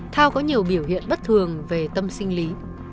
thao có nhiều biểu hiện bất thường về tâm sinh lý